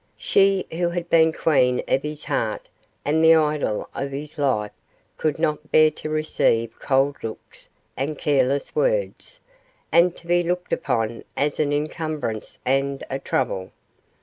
She who had been queen of his heart and the idol of his life could not bear to receive cold looks and careless words, and to be looked upon as an encumbrance and a trouble.